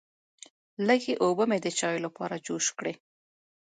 لږې اوبه مې د چایو لپاره جوش کړې.